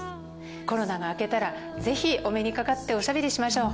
コロナが明けたら是非お目にかかっておしゃべりしましょう。